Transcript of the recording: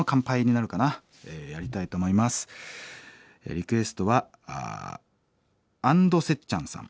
リクエストは＆せっちゃんさん。